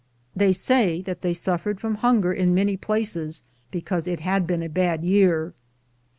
They say that they suffered from hunger in many places, because it had been a bad year.